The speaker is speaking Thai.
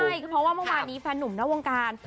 ใช่เพราะว่าเมื่อวานนี้แฟนหนุ่มนอกวงการ